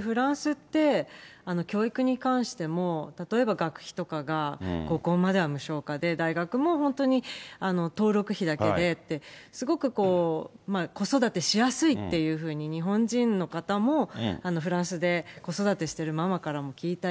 フランスって教育に関しても、例えば学費とかが高校までは無償化で、大学も本当に登録費だけでって、すごくこう、子育てしやすいっていうふうに、日本人の方もフランスで子育てしてるママからも聞いたり。